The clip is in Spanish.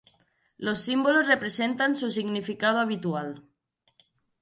Los símbolos representan su significado habitual.